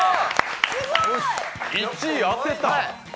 １位当てた。